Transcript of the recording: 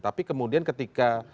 tapi kemudian ketika